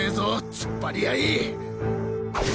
突っ張り合い！